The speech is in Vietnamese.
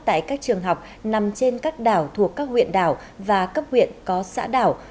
tại các trường học nằm trên các đảo thuộc các huyện đảo và cấp huyện có xã đảo